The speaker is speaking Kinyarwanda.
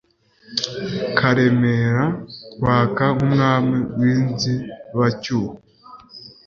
Karemera Rwaka nk'Umwami w'inzibacyuho